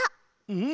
うん。